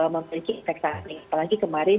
memiliki efek samping apalagi kemarin